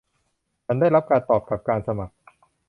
ฉันได้รับการตอบรับการสมัคร